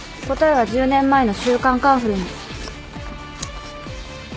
答えは１０年前の『週刊カンフル』に。